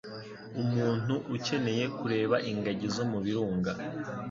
Umuntu ukeneye kureba ingagi zo mu Birunga